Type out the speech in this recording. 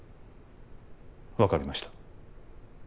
分かりました